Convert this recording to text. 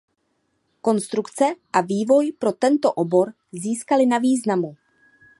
Konstrukce a vývoj pro tento obor získaly na významu.